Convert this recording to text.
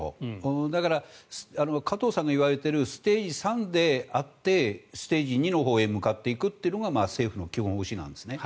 だから、加藤さんが言われているステージ３であってステージ２のほうへ向かっていくというのが政府の基本方針なんですね。